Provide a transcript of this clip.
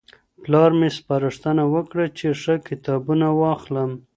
پلار مي سپارښتنه وکړه چي ښه کتابونه واخلم.